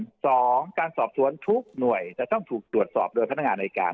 สองการสอบสวนทุกหน่วยจะต้องถูกตรวจสอบโดยพนักงานในการ